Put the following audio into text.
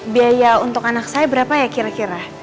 biaya untuk anak saya berapa ya kira kira